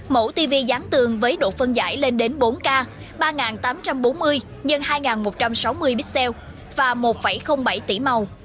mẫu tv dán tường với độ phân giải lên đến bốn k ba nghìn tám trăm bốn mươi x hai nghìn một trăm sáu mươi px và một bảy tỷ màu